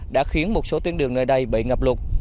đã khiến một số tuyến đường nơi đây bị ngập lụt